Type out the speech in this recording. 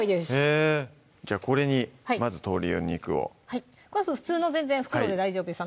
へぇじゃあこれにまず鶏肉を普通の袋で大丈夫です